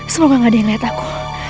semoga gak ada yang lihat aku